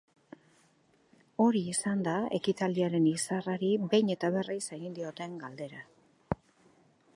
Hori izan da ekitaldiaren izarrari behin eta berriz egin dioten galdera.